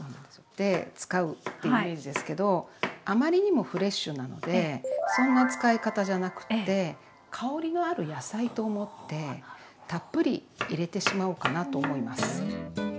で使うっていうイメージですけどあまりにもフレッシュなのでそんな使い方じゃなくって香りのある野菜と思ってたっぷり入れてしまおうかなと思います。